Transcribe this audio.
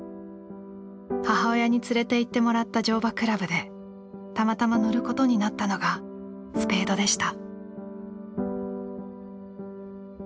母親に連れていってもらった乗馬倶楽部でたまたま乗ることになったのがスペードでした。